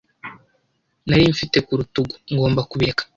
Nari mfite ku rutugu, ngomba kubireka